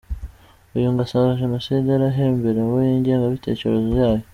Uyu ngo asanga Jenoside yarahemberewe, n’ingengabitekerezo yayo.